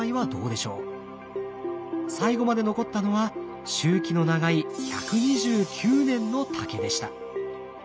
最後まで残ったのは周期の長い１２９年の竹でした。